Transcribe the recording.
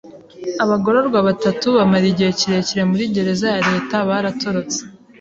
Abagororwa batatu bamara igihe kirekire muri gereza ya leta baratorotse.